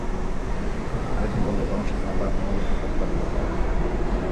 আরেক জন বলল, বরং সে তো আল্লাহর আনুগত্যে প্রতিপালিত বালক।